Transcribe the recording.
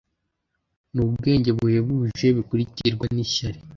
nubwenge buhebuje Bikurikirwa nishyari